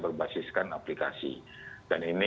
berbasis aplikasi dan ini